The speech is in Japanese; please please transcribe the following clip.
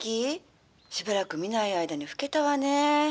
しばらく見ない間に老けたわね」。